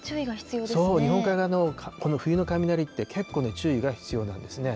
日本海側のこの冬の雷って、結構ね、注意が必要なんですね。